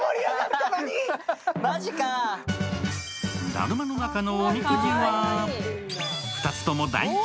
だるまの中のおみくじは、２つとも大吉！